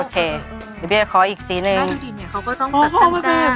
โอเคเดี๋ยวขออีกสีหนึ่งนั่กมาดูทีเนี้ยแล้วเขาก็ต้อง